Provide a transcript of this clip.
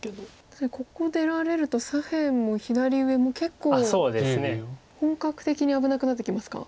確かにここ出られると左辺も左上も結構本格的に危なくなってきますか。